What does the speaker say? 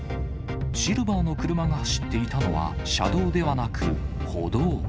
シルバーの車が走っていたのは、車道ではなく歩道。